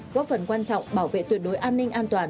góp phần quan trọng bảo vệ tuyệt đối an ninh an toàn